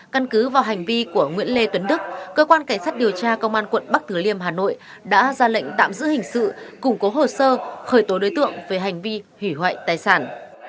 căn cứ vào hành vi của nguyễn lê tuấn đức cơ quan cảnh sát điều tra công an quận bắc thứ liêm hà nội đã ra lệnh tạm giữ hình sự củng cố hồ sơ khởi tố đối tượng về hành vi hủy hoại tài sản